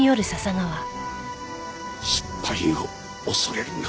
失敗を恐れるな。